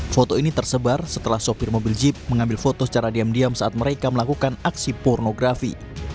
foto ini tersebar setelah sopir mobil jeep mengambil foto secara diam diam saat mereka melakukan aksi pornografi